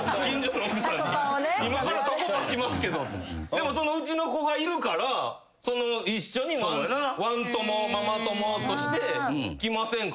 でもそのうちの子がいるから一緒にワン友ママ友として「来ませんか？」